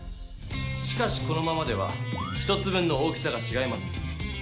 しかしこのままでは１つ分の大きさがちがいます。